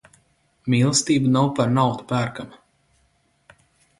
Mīlestība nav par naudu pērkama.